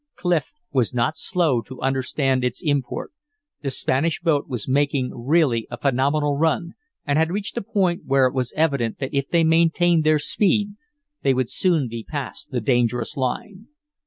Clif was not slow to understand its import. The Spanish boat was making really a phenomenal run, and had reached a point where it was evident that if they maintained their speed they would soon be past the dangerous line.